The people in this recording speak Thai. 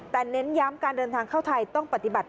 แต่เน้นย้ำการเดินทางเข้าไทยต้องปฏิบัติ